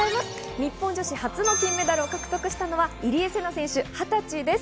日本人初の金メダルを獲得したのは入江聖奈選手、２０歳です。